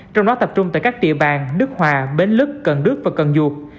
trong đó tập trung tại các địa bàn nước hòa bến lứt cần đứt và cần dụt